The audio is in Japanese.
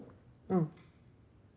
うん。